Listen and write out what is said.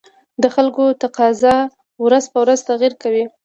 د خلکو تقاتضا ورځ په ورځ تغير کوي